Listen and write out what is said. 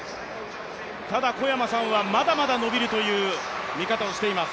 ただ小山さんはまだまだ伸びるという見方をしています。